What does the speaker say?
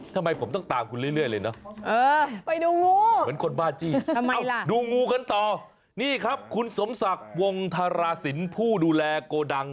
ทำไมผมต้องตามคุณเรื่อยเลยเนอะเป็นคนบ้าจี้ดูงูกันต่อนี่ครับคุณสมศักดิ์วงธรสินผู้ดูแลโกดัง